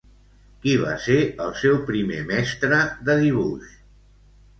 Qui va ser el seu primer mestre de dibuix?